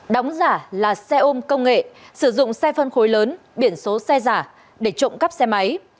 đóng giả là xe ôm công nghệ sử dụng xe phân khối lớn biển số xe giả để trộm cắp xe máy